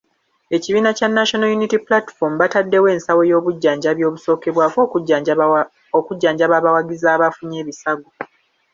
Ekibiina kya National Unity Platform bataddewo ensawo y'obujjanjabi obusookerwako, okujjanjaba abawagizi abafunye ebisago.